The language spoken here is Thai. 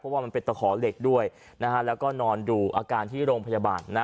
ว่ามันเป็นตะขอเหล็กด้วยนะฮะแล้วก็นอนดูอาการที่โรงพยาบาลนะ